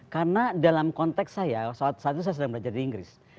karena dalam konteks saya saat itu saya sedang belajar di inggris